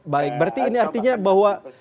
baik berarti ini artinya bahwa